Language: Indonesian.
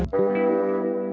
sebenernya dikira kaya si aceh